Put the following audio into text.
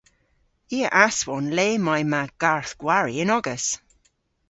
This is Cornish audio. I a aswon le may ma garth-gwari yn-ogas.